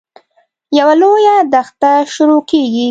یوه لویه دښته شروع کېږي.